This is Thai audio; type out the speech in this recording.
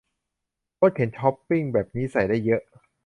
รถเข็นช้อปปิ้งแบบนี้ใส่ได้เยอะ